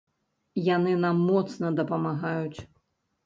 Яны нам моцна дапамагаюць.